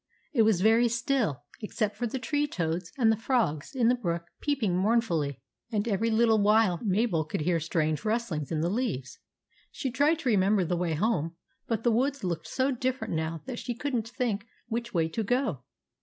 It was very still except for the tree toads and the frogs in the brook peeping mournfully, and every little while Mabel could hear strange rust lings in the leaves. She tried to remember the way home, but the woods looked so different now that she could n't think which way to go.